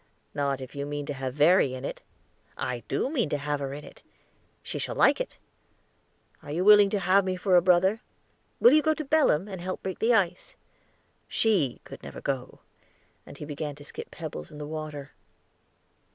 "Not if you mean to have Verry in it." "I do mean to have her in it. She shall like it. Are you willing to have me for a brother? Will you go to Belem, and help break the ice? She could never go," and he began to skip pebbles in the water.